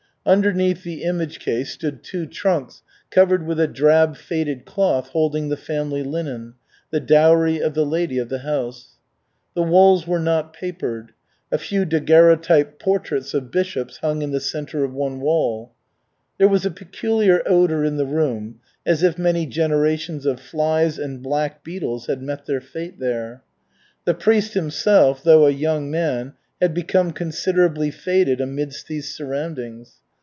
Underneath the image case stood two trunks covered with a drab faded cloth holding the family linen, the dowry of the lady of the house. The walls were not papered. A few daguerreotype portraits of bishops hung in the center of one wall. There was a peculiar odor in the room, as if many generations of flies and black beetles had met their fate there. The priest himself, though a young man, had become considerably faded amidst these surroundings.